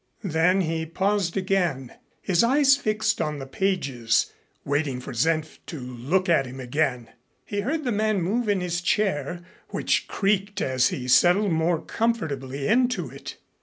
Then he paused again, his eyes fixed on the pages, waiting for Senf to look at him again. He heard the man move in his chair, which creaked as he settled more comfortably into it.